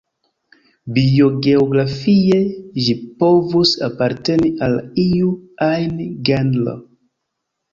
Biogeografie, ĝi povus aparteni al iu ajn genro.